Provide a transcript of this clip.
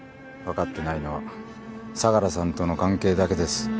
分かってないのは相良さんとの関係だけです。